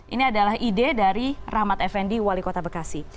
ini adalah ide dari rahmat effendi wali kota bekasi